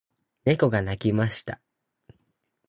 猫が鳴きました。